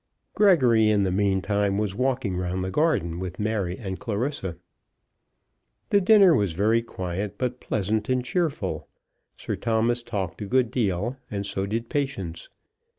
Gregory, in the meantime, was walking round the garden with Mary and Clarissa. The dinner was very quiet, but pleasant and cheerful. Sir Thomas talked a good deal, and so did Patience.